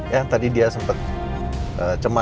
ya tadi dia sempat cemas